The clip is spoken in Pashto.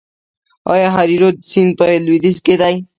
آیا هریرود سیند په لویدیځ کې دی؟